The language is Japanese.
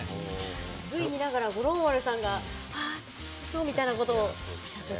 Ｖ見ながら五郎丸さんがキツそうみたいなことをおっしゃってて。